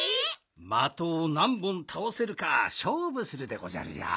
まとをなんぼんたおせるかしょうぶするでごじゃるよ。